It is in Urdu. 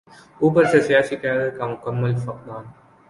اوپر سے سیاسی قیادت کا مکمل فقدان۔